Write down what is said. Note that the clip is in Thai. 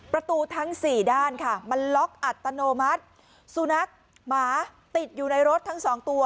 ทั้งสี่ด้านค่ะมันล็อกอัตโนมัติสุนัขหมาติดอยู่ในรถทั้งสองตัว